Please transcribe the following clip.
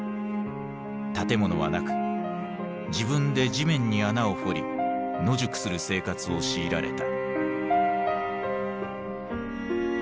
建物はなく自分で地面に穴を掘り野宿する生活を強いられた。